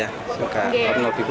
jangan lupa like share dan subscribe